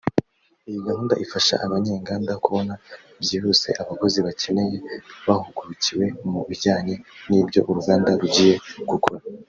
Iyi gahunda ifasha abanyenganda kubona byihuse abakozi bakeneye bahugukiwe mu bijyanye n’ibyo uruganda rugiye gukora